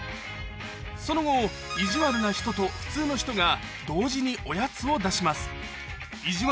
その後いじわるな人と普通の人が同時におやつを出します